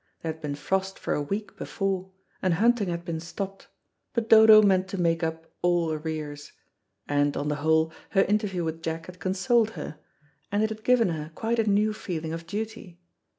There had been frost for a week before, and hunting had been stopped, but Dodo meant to make up all arrears. And, on the whole, her interview with Jack had consoled her, and it had given her quite a new feeling of duty.